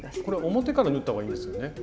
これ表から縫った方がいいんですよね。